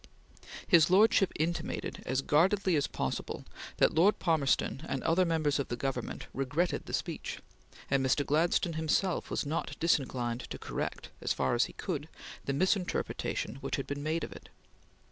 His lordship intimated as guardedly as possible that Lord Palmerston and other members of the Government regretted the speech, and Mr. Gladstone himself was not disinclined to correct, as far as he could, the misinterpretation which had been made of it.